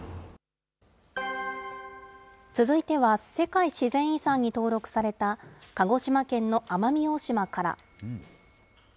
続いては世界自然遺産に登録された、鹿児島県の奄美大島から。